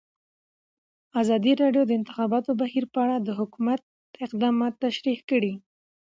ازادي راډیو د د انتخاباتو بهیر په اړه د حکومت اقدامات تشریح کړي.